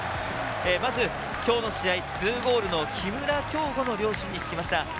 まず今日の試合、２ゴールの木村匡吾のご両親に聞きました。